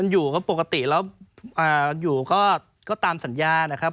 อยู่ก็ปกติแล้วอยู่ก็ตามสัญญานะครับ